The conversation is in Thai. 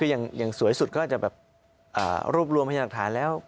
คืออย่างสวยสุดก็จะแบบรูปรวมให้ดักฐานแล้ว